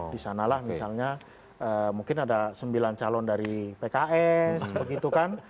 di sanalah misalnya mungkin ada sembilan calon dari pks begitu kan